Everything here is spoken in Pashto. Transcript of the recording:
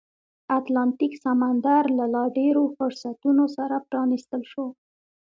اتلانتیک سمندر له لا ډېرو فرصتونو سره پرانیستل شو.